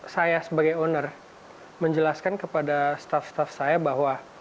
saya sebagai owner menjelaskan kepada staff staff saya bahwa